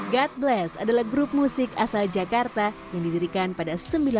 god bless adalah grup musik asal jakarta yang didirikan pada seribu sembilan ratus sembilan puluh